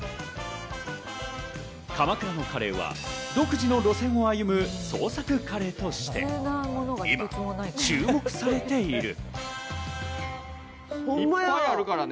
鎌倉のカレーは独自の路線を歩む、創作カレーとして今、注目されている。